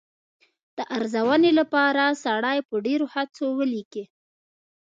د ارزونې لپاره سړی په ډېرو هڅو ولیکي.